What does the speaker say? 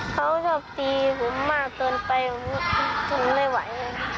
เขาชอบตีผมมาเกินไปผมไม่ได้ไหว